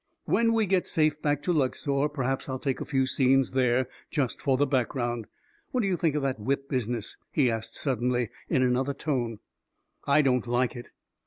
When we get safe back to Luxor, perhaps I'll take a few scenes there, just for the background. What do you think of that whip business? " he asked suddenly, in another tone. II I don't like it."